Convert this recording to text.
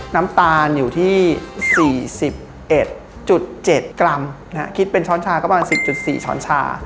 น้ำตาลอยู่ที่๔๑๗กรัมคิดเป็นช้อนชาก็ประมาณ๑๐๔ช้อนชา